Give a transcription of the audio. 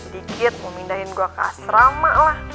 dikit mau mindahin gue ke asrama lah